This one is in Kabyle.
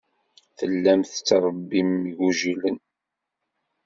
Tellam tettṛebbim igujilen.